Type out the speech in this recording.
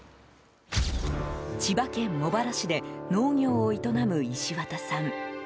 千葉県茂原市で農業を営む石渡さん。